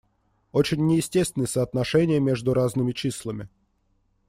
Очень неестественны соотношения между разными числами.